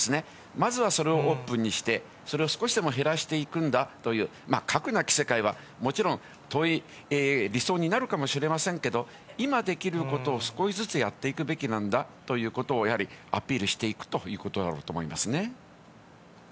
まずはそれをオープンにして、それを少しでも減らしていくんだという、核なき世界はもちろん、遠い理想になるかもしれませんけど、今できることを少しずつやっていくべきなんだということをやはりアピールしていくということだろうと思いますね。